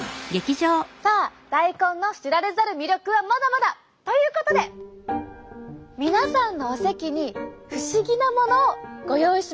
さあ大根の知られざる魅力はまだまだ！ということで皆さんのお席に不思議なものをご用意しました。